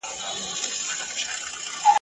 شمعي که بلېږې نن دي وار دی بیا به نه وینو ..